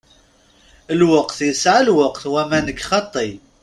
Lweqt yesεa lweqt wamma nekk xaṭi.